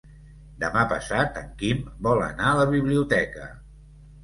Demà passat en Quim vol anar a la biblioteca.